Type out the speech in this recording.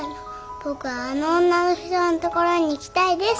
「僕はあの女の人のところに行きたいです」